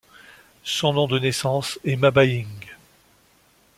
Son nom de naissance est Ma Buying.